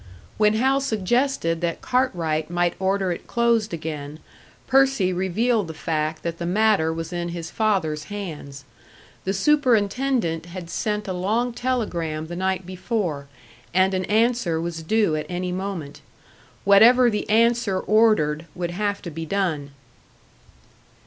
When Hal suggested that Cartwright might order it closed again, Percy revealed the fact that the matter was in his father's hands. The superintendent had sent a long telegram the night before, and an answer was due at any moment. Whatever the answer ordered would have to be done.